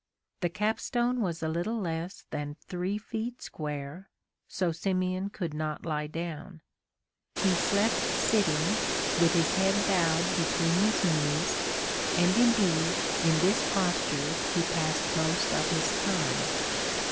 The capstone was a little less than three feet square, so Simeon could not lie down. He slept sitting, with his head bowed between his knees, and, indeed, in this posture he passed most of his time.